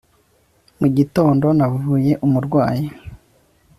mugitondo navuye umurwayi